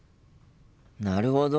なるほど。